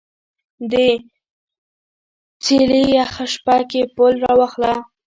د څیلې یخه شپه کې پل راواخله